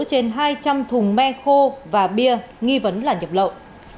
trên hai trăm linh thùng me khô và bia nghi vấn là nhập lậu